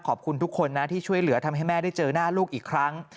ขอบคุณทุกคนนะที่ช่วยเหลือทำให้แม่ได้เจอหน้าลูกอีกครั้ง